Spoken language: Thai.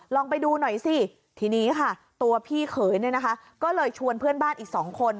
ลองไปดูหน่อยสิทีนี้ค่ะตัวพี่เขยเนี่ยนะคะก็เลยชวนเพื่อนบ้านอีก๒คน